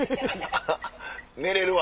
寝れるわ！